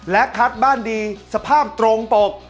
และคัดบ้านดีสภาพตรงปก